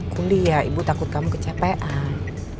kuliah ibu takut kamu kecapean